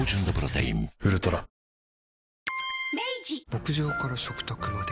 牧場から食卓まで。